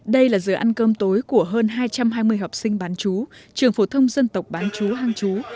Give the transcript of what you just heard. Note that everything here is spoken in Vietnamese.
đây là giờ ăn cơm tối của hơn hai trăm hai mươi học sinh bán chú trường phổ thông dân tộc bán chú hàng chú